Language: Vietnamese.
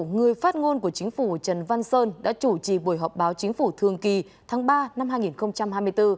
người phát ngôn của chính phủ trần văn sơn đã chủ trì buổi họp báo chính phủ thường kỳ tháng ba năm hai nghìn hai mươi bốn